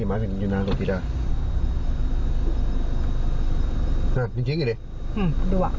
น่าดูว่ะ